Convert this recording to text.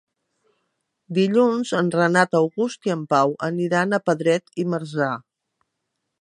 Dilluns en Renat August i en Pau aniran a Pedret i Marzà.